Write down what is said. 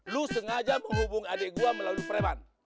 lu sengaja menghubung adik gua melalui freman